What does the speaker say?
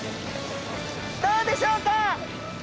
どうでしょうか？